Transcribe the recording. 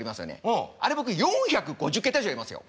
あれ僕４５０桁以上言えますよ。